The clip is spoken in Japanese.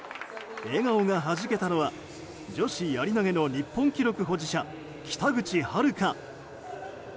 笑顔がはじけたのは女子やり投げの日本記録保持者北口榛花。